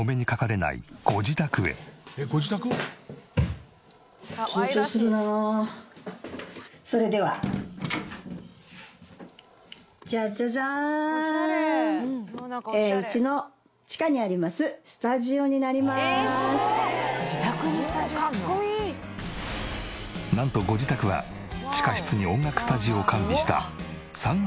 なんとご自宅は地下室に音楽スタジオを完備した３階建ての５ＬＤＫ。